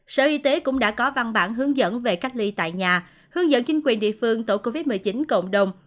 sở y tế cũng đã có văn bản hướng dẫn về cách ly tại nhà hướng dẫn chính quyền địa phương tổ covid một mươi chín cộng đồng